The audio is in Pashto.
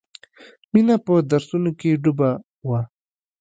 مینه په درسونو کې ډوبه وه